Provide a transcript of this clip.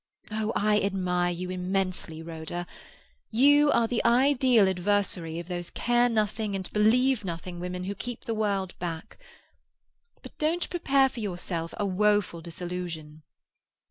Oh, I admire you immensely, Rhoda. You are the ideal adversary of those care nothing and believe nothing women who keep the world back. But don't prepare for yourself a woeful disillusion."